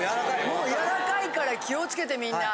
もうやらかいから気を付けてみんな。